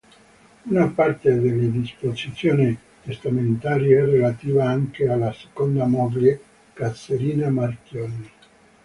Una parte delle disposizioni testamentarie è relativa anche alla seconda moglie, Caterina Marchionni.